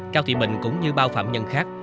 cao thị bình cũng như bao phạm nhân khác